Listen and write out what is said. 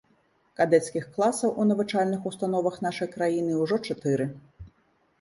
Кадэцкіх класаў у навучальных установах нашай краіны ўжо чатыры.